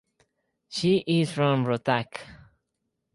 She is from Rohtak.